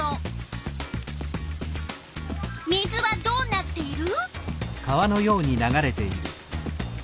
水はどうなっている？